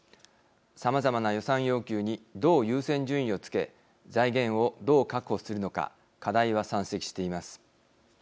さまざまな予算要求にどう優先順位を付け財源をどう確保するのか課題は山積しています。